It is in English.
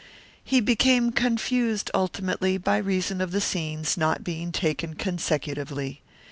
He became confused, ultimately, by reason of the scenes not being taken consecutively.